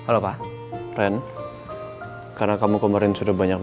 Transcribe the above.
lima belas tahun ini saya ternyata udah berjalan